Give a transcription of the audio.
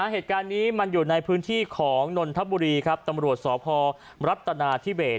เหตุการณ์นี้มันอยู่ในพื้นที่ของนนทบุรีครับตำรวจสพรัฐนาธิเบส